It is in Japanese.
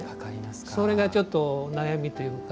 それがちょっと悩みというか。